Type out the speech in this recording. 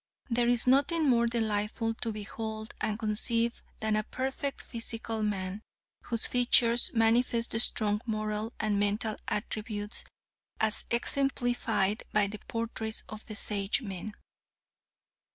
There is nothing more delightful to behold or conceive than a perfect physical man, whose features manifest strong moral and mental attributes, as exemplified by the portraits of the Sagemen."